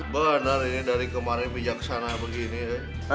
bener ini dari kemarin bijaksana begini deh